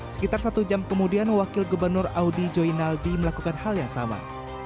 sekitar satu jam kemudian wakil gubernur audi joy naldi melakukan hal yang sama